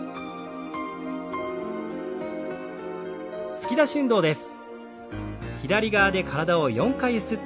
突き出し運動です。